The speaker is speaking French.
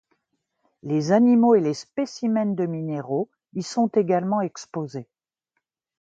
Les animaux et les spécimens de minéraux y sont également exposés.